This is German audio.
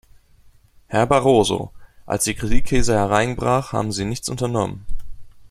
Herr Barroso, als die Kreditkrise hereinbrach, haben Sie nichts unternommen.